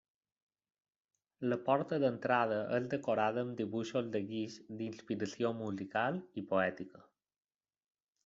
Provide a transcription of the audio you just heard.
La porta d'entrada és decorada amb dibuixos de guix d'inspiració musical i poètica.